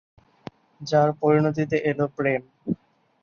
যার পরিণতিতে এল প্রেম।